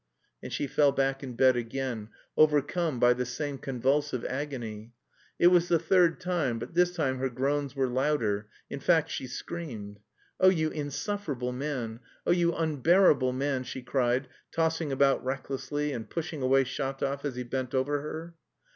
And she fell back in bed again, overcome by the same convulsive agony; it was the third time, but this time her groans were louder, in fact she screamed. "Oh, you insufferable man! Oh, you unbearable man," she cried, tossing about recklessly, and pushing away Shatov as he bent over her.